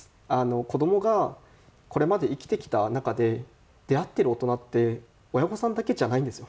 子どもがこれまで生きてきた中で出会っている大人って親御さんだけじゃないんですよ。